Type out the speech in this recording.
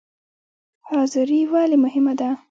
حاضري ولې مهمه ده؟